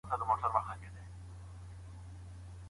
د بیړني څانګي ډاکټران څه کوي؟